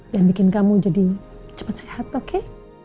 dan bikin kamu jadi cepat sehat oke